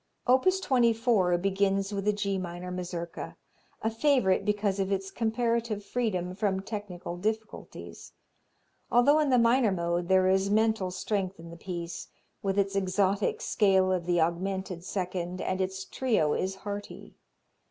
Opus 24 begins with the G minor Mazurka, a favorite because of its comparative freedom from technical difficulties. Although in the minor mode there is mental strength in the piece, with its exotic scale of the augmented second, and its trio is hearty.